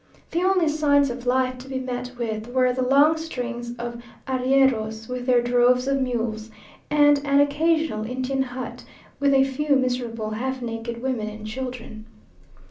The only signs of life to be met with were the long strings of arrieros with their droves of mules, and an occasional Indian hut, with a few miserable half naked women and children.